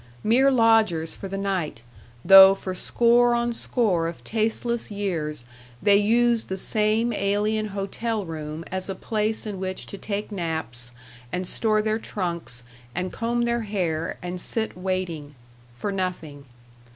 Mere lodgers for the night, though for score on score of tasteless years they use the same alien hotel room as a place in which to take naps and store their trunks and comb their hair and sit waiting for nothing.